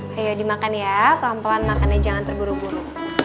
hai ayo dimakan ya kelompok anaknya jangan terburu buru